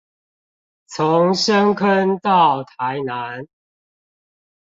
從深坑到台南